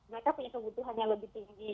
mereka punya kebutuhannya lebih tinggi